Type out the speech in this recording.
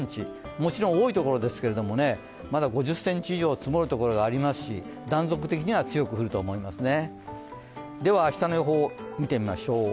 もちろん多いところですけどまだ５０ｃｍ以上積もるところがありますし、断続的には強く降ると思いますね。